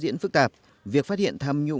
hình thức là kiểm trách